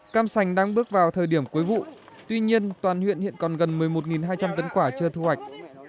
cam sành đang bước vào thời điểm cuối vụ tuy nhiên toàn huyện hiện còn gần một mươi một hai trăm linh tấn quả chưa thu hoạch